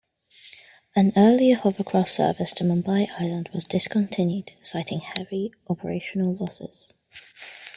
An earlier hovercraft service to Mumbai island was discontinued citing heavy operational losses.